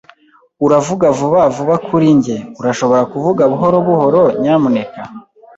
Uravuga vuba vuba kuri njye. Urashobora kuvuga buhoro buhoro, nyamuneka?